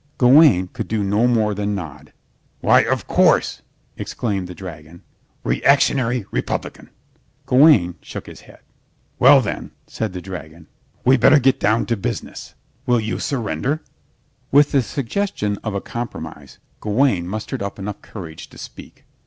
Gawaine could do no more than nod. "Why, of course," exclaimed the dragon, "reactionary Republican." Gawaine shook his head. "Well, then," said the dragon, "we'd better get down to business. Will you surrender?" With the suggestion of a compromise Gawaine mustered up enough courage to speak.